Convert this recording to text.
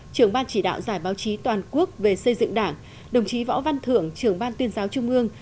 trưởng ban chỉ đạo giải báo chí toàn quốc về xây dựng đảng đồng chí võ văn thưởng trưởng ban tuyên giáo trung ương